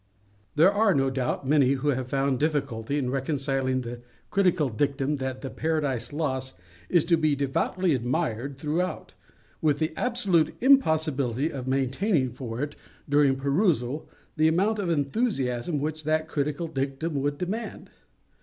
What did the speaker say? There are, no doubt, many who have found difficulty in reconciling the critical dictum that the "Paradise Lost" is to be devoutly admired throughout, with the absolute impossibility of maintaining for it, during perusal, the amount of enthusiasm which that critical dictum would demand.